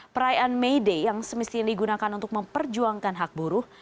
perayaan may day yang semestinya digunakan untuk memperjuangkan hak buruh